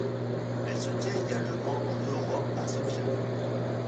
Elle se tient également en Europe à Sofia.